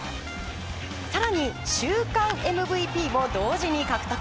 更に、週間ＭＶＰも同時に獲得。